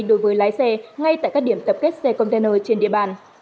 đối với lái xe ngay tại các điểm tập kết xe container trên địa bàn